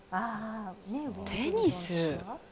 テニス。